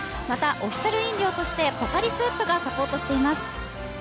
またオフィシャル飲料としてポカリスエットがサポートしています。